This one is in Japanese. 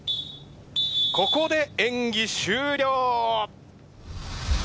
ここで演技終了！